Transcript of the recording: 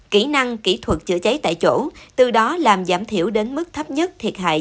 kỹ năng kỹ thuật chữa cháy tại chỗ từ đó làm giảm thiểu đến mức thấp nhất thiệt hại